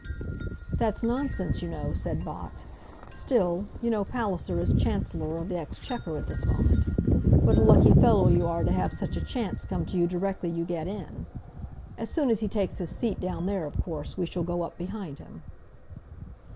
"That's nonsense, you know," said Bott. "Still, you know Palliser is Chancellor of the Exchequer at this moment. What a lucky fellow you are to have such a chance come to you directly you get in. As soon as he takes his seat down there, of course we shall go up behind him."